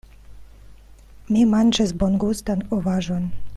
Mi manĝis bongustan ovaĵon.